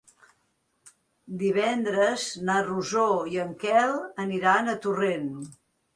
Divendres na Rosó i en Quel aniran a Torrent.